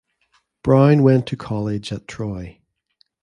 Brown went to college at Troy.